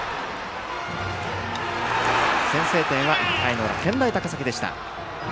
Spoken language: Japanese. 先制点は１回の裏健大高崎でした。